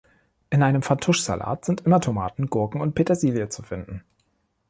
In einem Fattusch-Salat sind immer Tomaten, Gurken und Petersilie zu finden.